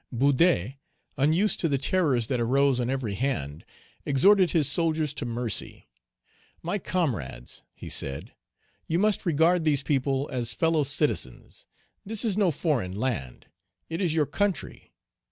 Boudet, unused to the terrors that arose on every hand, exhorted his soldiers to mercy. "My comrades," he said, "you must regard these people as fellow citizens; this is no foreign land, it is your country.